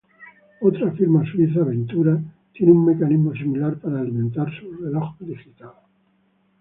Otra firma suiza, Ventura, tiene un mecanismo similar para alimentar un reloj digital.